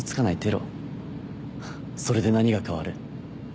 フッそれで何が変わる？